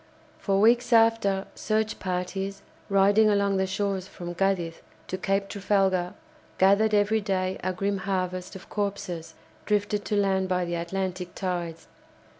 For weeks after search parties, riding along the shores from Cadiz to Cape Trafalgar gathered every day a grim harvest of corpses drifted to land by the Atlantic tides.